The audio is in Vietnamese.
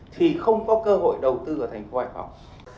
thì không có cơ hội đầu tư vào thành phố hải phòng